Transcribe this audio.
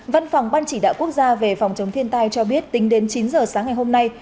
văn phòng ban chỉ đạo quốc gia về phòng chống thiên tai cho biết tính đến chín giờ sáng ngày hôm nay